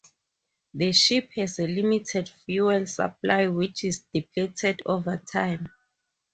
The ship has a limited fuel supply, which is depleted over time.